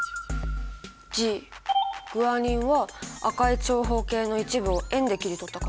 Ｇグアニンは赤い長方形の一部を円で切り取った感じ。